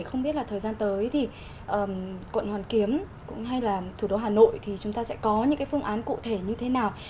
không biết là thời gian tới thì quận hoàn kiếm cũng hay là thủ đô hà nội thì chúng ta sẽ có những cái phương án cụ thể như thế nào